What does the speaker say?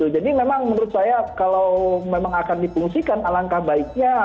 jadi memang menurut saya kalau memang akan dipungsikan alangkah baiknya